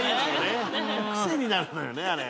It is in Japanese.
癖になるのよねあれ。